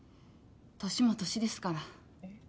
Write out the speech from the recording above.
年も年ですから。